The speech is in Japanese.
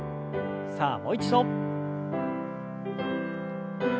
さあもう一度。